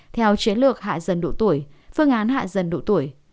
theo chiến lược hạ dần độ tuổi phương án hạ dần độ tuổi